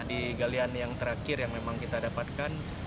di galian yang terakhir yang memang kita dapatkan